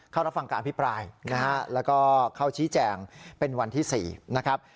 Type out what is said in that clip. รับฟังการอภิปรายนะฮะแล้วก็เข้าชี้แจงเป็นวันที่๔นะครับ